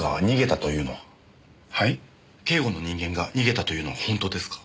警護の人間が逃げたというのは本当ですか？